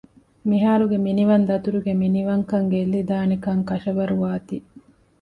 މިހާރުގެ މިނިވަން ދަތުރުގެ މިނިވަންކަން ގެއްލިދާނެކަން ކަށަވަރުވާތީ